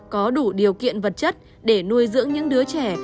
có đủ điều kiện vật chất để nuôi dưỡng những đứa trẻ